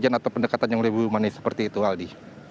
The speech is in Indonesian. atau pendekatan yang lebih humanis seperti itu aldi